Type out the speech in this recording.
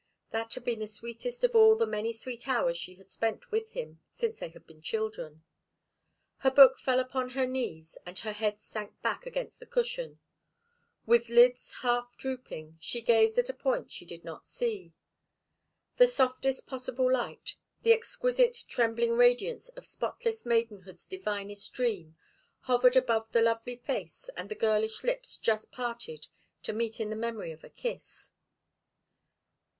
That had been the sweetest of all the many sweet hours she had spent with him since they had been children. Her book fell upon her knees and her head sank back against the cushion. With lids half drooping, she gazed at a point she did not see. The softest possible light, the exquisite, trembling radiance of spotless maidenhood's divinest dream, hovered about the lovely face and the girlish lips just parted to meet in the memory of a kiss.